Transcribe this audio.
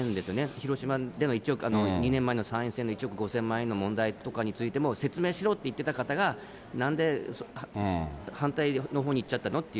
広島での参院選の１億５０００万円の問題とかについても、説明しろって言ってた方が、なんで反対のほうにいっちゃったのっていう。